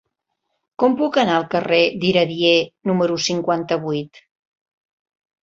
Com puc anar al carrer d'Iradier número cinquanta-vuit?